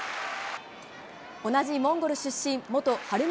同じモンゴル出身、元日馬